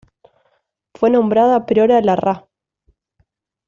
Fue nombrada Priora la Ra.